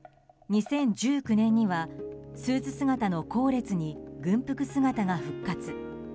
２０１９年にはスーツ姿の後列に軍服姿が復活。